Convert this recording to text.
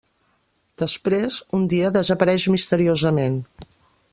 Després, un dia, desapareix misteriosament.